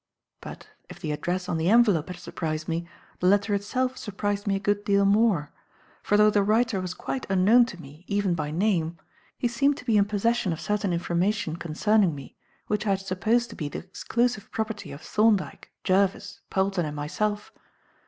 But, if the address on the envelope had surprised me, the letter itself surprised me a good deal more; for though the writer was quite unknown to me, even by name, he seemed to be in possession of certain information concerning me which I had supposed to be the exclusive property of Thorndyke, Jervis, Polton and myself.